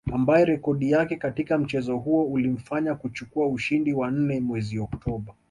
Ambaye rekodi yake katika mchezo huo ulimfanya kuchukua ushindi wa nne mwezi Oktoba